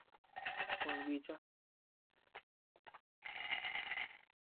Un bícha.